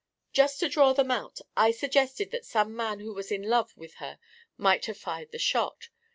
Just to draw them out, I suggested that some man who was in love with her might have fired the shot.